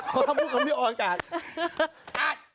ต้องทำพูดคำนี้ออกอากาศ